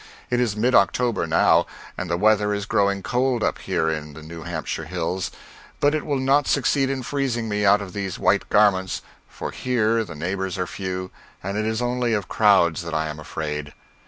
It is mid October now, and the weather is growing cold up here in the New Hampshire hills, but it will not succeed in freezing me out of these white garments, for here the neighbors are few, and it is only of crowds that I am afraid.